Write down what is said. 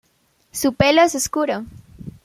Su pelo es oscuro.